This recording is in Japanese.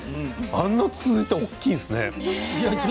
あんなにツツジって大きいんですね。